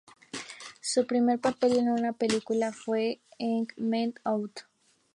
Su primer papel en una película fue en "Eight Men Out".